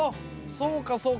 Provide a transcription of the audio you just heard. そうかそうか。